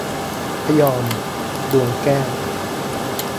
พะยอม ดวงแก้ว